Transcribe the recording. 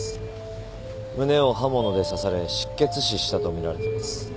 胸を刃物で刺され失血死したとみられてます。